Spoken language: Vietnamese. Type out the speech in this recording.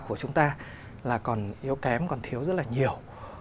đào tạo của chúng ta là còn yếu kém còn thiếu rất là nhiều